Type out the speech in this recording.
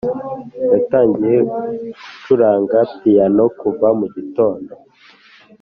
yatangiye gucuranga piyano kuva mu gitondo.